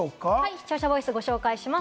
視聴者ボイスをご紹介します。